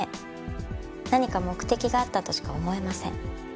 何か目的があったとしか思えません。